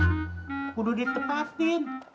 aku udah ditepatin